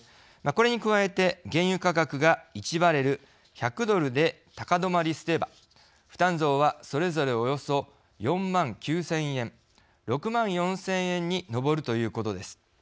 これに加えて原油価格が１バレル＝１００ドルで高止まりすれば負担増はそれぞれおよそ４万９，０００円６万４，０００円に上るということです。